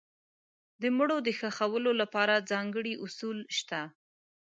د مړو د ښخولو لپاره ځانګړي اصول شته.